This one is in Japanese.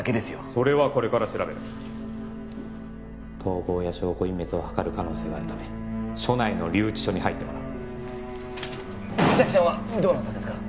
それはこれから調べる逃亡や証拠隠滅をはかる可能性があるため署内の留置所に入ってもらう実咲ちゃんはどうなったんですか？